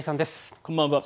こんばんは。